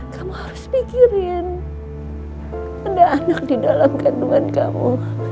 kamu harus pikirin ada anak di dalam kandungan kamu